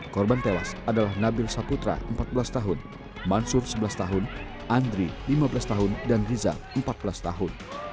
korban tewas adalah nabil saputra empat belas tahun mansur sebelas tahun andri lima belas tahun dan riza empat belas tahun